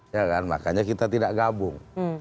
ya kan makanya kita tidak gabung